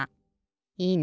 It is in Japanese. いいね！